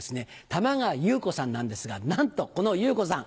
玉川祐子さんなんですがなんとこの祐子さん